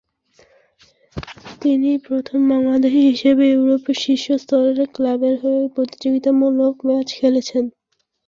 তিনি প্রথম বাংলাদেশী হিসেবে ইউরোপের শীর্ষ স্তরের ক্লাবের হয়ে প্রতিযোগিতামূলক ম্যাচ খেলেছেন।